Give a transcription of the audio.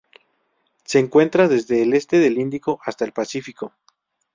Se encuentra desde el este del Índico hasta el Pacífico.